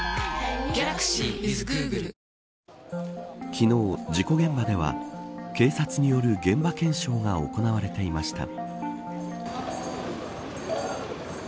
昨、日事故現場では警察による現場検証が行われていました。